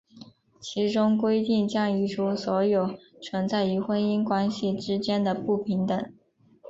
其中规定将移除所有存在于婚姻关系之间的不平等。